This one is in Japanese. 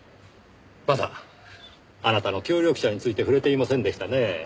まだあなたの協力者について触れていませんでしたねぇ。